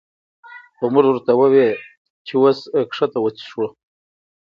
خو مونږ ورته ووې چې وس ښکته وڅښو